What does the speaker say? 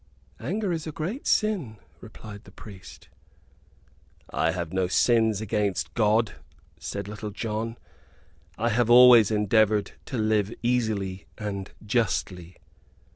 "Anger is a great sin," replied the priest. "I have no sins against God," said Little John; "I have always endeavored to live easily and justly."